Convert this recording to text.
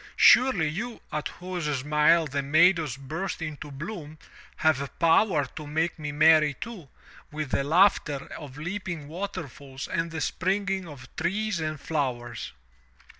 Surely you at whose smile the meadows burst into bloom, have power to make me merry too, with the laughter of leaping waterfalls and the springing of trees and flowers."